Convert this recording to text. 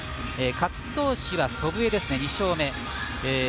勝ち投手は祖父江ですね。